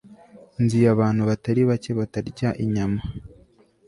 nzi abantu batari bake batarya inyama